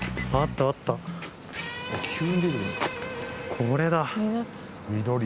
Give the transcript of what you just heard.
これだ。